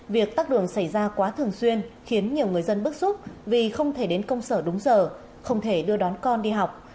việc tắt đường xảy ra quá thường xuyên khiến nhiều người dân bức xúc vì không thể đến công sở đúng giờ không thể đưa đón con đi học